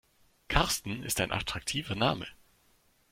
Karsten ist ein attraktiver Name.